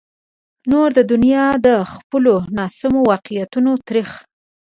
نوره دنیا د خپلو ناسمو واقعیتونو ترخه.